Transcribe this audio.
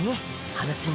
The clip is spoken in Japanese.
話に？